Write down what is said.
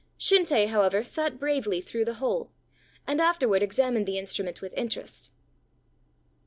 Shinte, however, sat bravely through the whole, and afterward examined the instrument with interest.